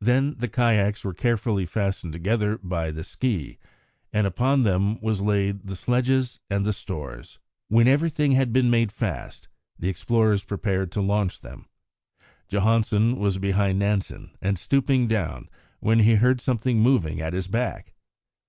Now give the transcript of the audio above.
Then the kayaks were carefully fastened together by the ski, and upon them was laid the sledges and the stores. When everything had been made fast, the explorers prepared to launch them. Johansen was behind Nansen, and stooping down, when he heard something moving at his back.